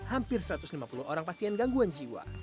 hampir satu ratus lima puluh orang pasien gangguan jiwa